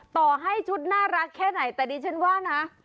ต่อให้ชุดน่ารักแค่ไหนแต่ดิฉันว่านะ